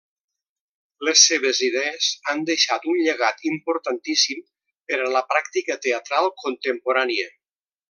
Les seves idees han deixat un llegat importantíssim per a la pràctica teatral contemporània.